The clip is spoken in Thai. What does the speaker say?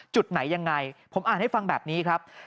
จุดไหนยังไงผมอ่านให้ฟังแบบนี้ครับ